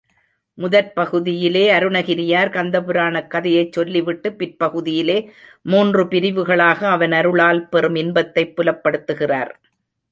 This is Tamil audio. முதற்பகுதியிலே அருணகிரியார் கந்தபுராணக் கதையைச் சொல்லிவிட்டு, பிற்பகுதியிலே மூன்று பிரிவுகளாக அவன் அருளால் பெறும் இன்பத்தைப் புலப்படுத்துகிறார்.